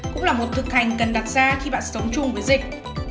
cũng là một thực hành cần đặt ra khi bạn sống chung với dịch